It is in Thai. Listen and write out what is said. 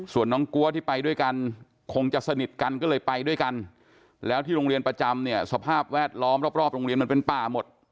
ส่วนน้องกลัวที่ไปด้วยกันคงจะสนิทกันก็เลยไปด้วยกันแล้วที่โรงเรียนประจำเนี่ยสภาพแวดล้อมรอบโรงเรียนมันเป็นป่าหมด